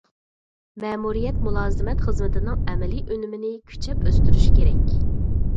مەمۇرىيەت مۇلازىمەت خىزمىتىنىڭ ئەمەلىي ئۈنۈمىنى كۈچەپ ئۆستۈرۈش كېرەك.